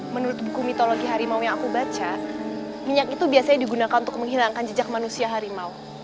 menurut buku mitologi harimau yang aku baca minyak itu biasanya digunakan untuk menghilangkan jejak manusia harimau